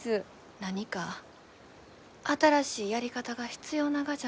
何か新しいやり方が必要ながじゃね。